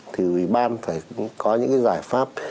thì bàn phải có những cái giải pháp